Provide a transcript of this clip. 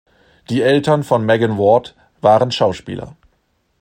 Die Eltern von Megan Ward waren Schauspieler.